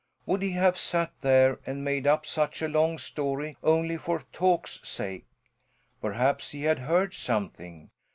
Would he have sat there and made up such a long story only for talk's sake? Perhaps he had heard something.